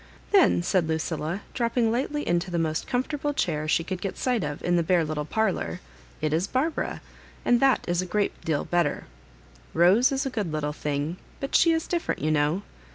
"Then," said Lucilla, dropping lightly into the most comfortable chair she could get sight of in the bare little parlour, "it is Barbara— and that is a great deal better; Rose is a good little thing, but — she is different, you know.